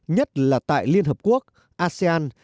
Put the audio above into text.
nhất là tại liên hợp quốc asean